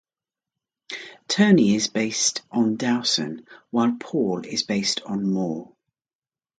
Tony is based on Dowson, while Paul is based on Moore.